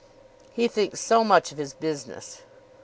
"He thinks so much of his business."